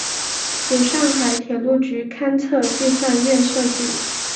由上海铁路局勘测设计院设计。